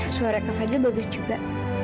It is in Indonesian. suara kak fadil bagus juga